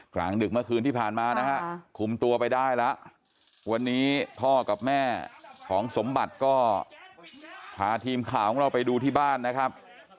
กลางดึกเมื่อคืนที่ผ่านมานะฮะคุมตัวไปได้แล้ววันนี้พ่อกับแม่ของสมบัติก็พาทีมข่าวของเราไปดูที่บ้านนะครับ